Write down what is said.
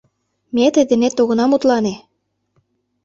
Ме тый денет огына мутлане.